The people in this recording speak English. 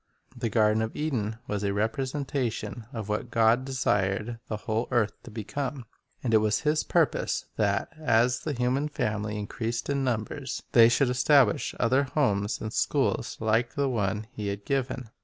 The garden of Eden was a representation of what God desired the whole earth to become, and it was His purpose that, as the human family increased in num bers, they should establish other homes and schools like the one He had given.